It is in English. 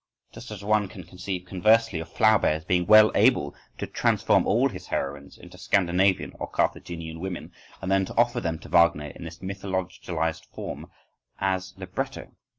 —just as one can conceive conversely, of Flaubert's being well able to transform all his heroines into Scandinavian or Carthaginian women, and then to offer them to Wagner in this mythologised form as a libretto.